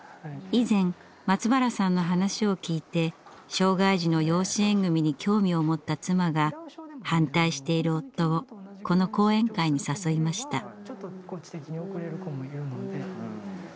以前松原さんの話をきいて障害児の養子縁組に興味を持った妻が反対している夫をこの講演会に誘いました。